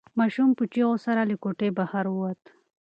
ماشوم په چیغو سره له کوټې بهر ووت.